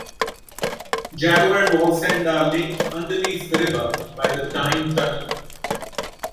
Jarrow and Wallsend are linked underneath the river by the Tyne Tunnel.